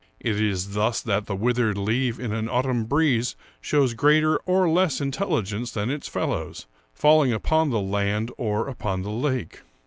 It is thus that the withered leaf in an autumn breeze shows greater or less intelligence than its fellows, falling upon the land or upon the lake.